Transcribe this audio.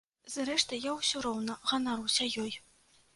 Зрэшты, я ўсё роўна ганаруся ёй.